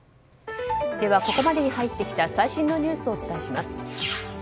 ではここまでに入ってきた最新のニュースをお伝えします。